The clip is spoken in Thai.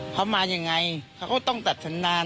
เขามาอย่างไรเขาก็ต้องตัดทนดาน